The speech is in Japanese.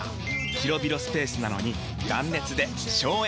広々スペースなのに断熱で省エネ！